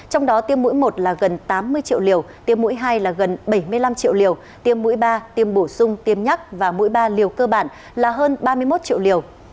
trong đó tiêm mũi một là gần tám mươi triệu liều tiêm mũi hai là gần bảy mươi năm triệu liều tiêm mũi ba tiêm bổ sung tiêm nhắc và mũi ba liều cơ bản là hơn ba mươi một triệu liều